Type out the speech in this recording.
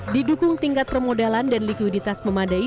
didukung tingkat permodalan dan likuiditas memadai